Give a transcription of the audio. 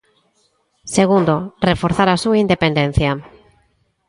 Segundo, reforzar a súa independencia.